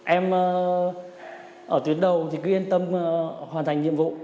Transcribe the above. em ở tuyến đầu thì cứ yên tâm hoàn thành nhiệm vụ